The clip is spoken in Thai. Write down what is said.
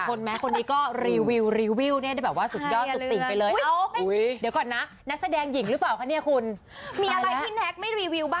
คิดว่าโฆษณาผมไม่จะโฆษณาอาหารสุนัขคุณผู้ชมฮะ